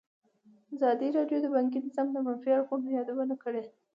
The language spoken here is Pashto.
ازادي راډیو د بانکي نظام د منفي اړخونو یادونه کړې.